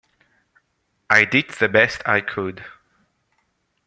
I did the best I could.